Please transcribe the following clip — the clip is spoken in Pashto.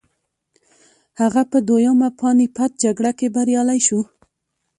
هغه په دویمه پاني پت جګړه کې بریالی شو.